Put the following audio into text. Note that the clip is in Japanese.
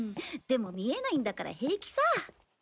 でも見えないんだから平気さ。